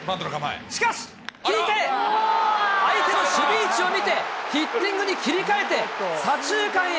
しかし、引いて、相手の守備位置を見て、ヒッティングに切り替えて、左中間へ。